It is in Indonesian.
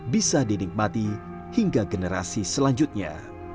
bisa dinikmati hingga generasi selanjutnya